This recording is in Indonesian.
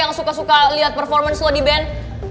yang suka suka lihat performance lo di band